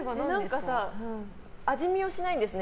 味見をしないんですね